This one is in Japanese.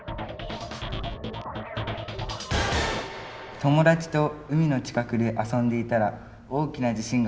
「友達と海の近くで遊んでいたら大きな地震が発生！